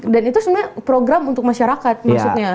dan itu sebenernya program untuk masyarakat maksudnya